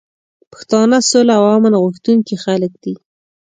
پښتانه سوله او امن غوښتونکي خلک دي.